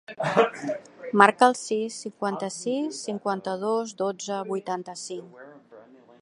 Marca el sis, cinquanta-sis, cinquanta-dos, dotze, vuitanta-cinc.